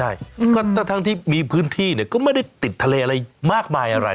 ใช่ก็ทั้งที่มีพื้นที่เนี่ยก็ไม่ได้ติดทะเลอะไรมากมายอะไร